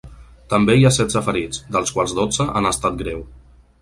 També hi ha setze ferits, dels quals dotze en estat greu.